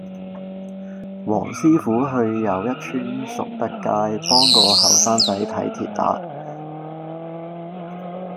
黃師傅去又一村述德街幫個後生仔睇跌打